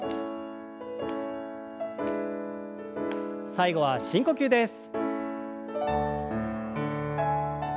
最後は深呼吸です。